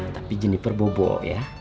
tapi jeniper bobo ya